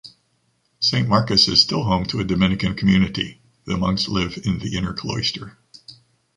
Saint Marcus is still home to a Dominican community. The monks live in the inner cloister.